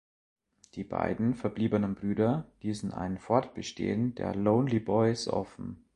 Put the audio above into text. Die beiden verbliebenen Brüder ließen ein Fortbestehen der "Lonely Boys" offen.